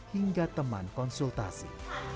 hingga teman konsultasi